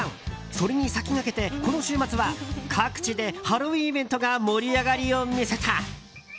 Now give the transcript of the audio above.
それに先駆けて、この週末は各地でハロウィーンイベントが盛り上がりを見せた。